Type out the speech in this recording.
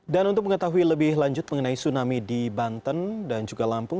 dan untuk mengetahui lebih lanjut mengenai tsunami di banten dan juga lampung